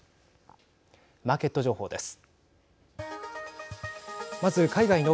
マーケット情報です。